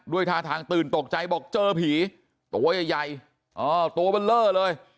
ด้วยทาทางตื่นตกใจบอกเจอผีตัวใหญ่ตัวเบลอเลย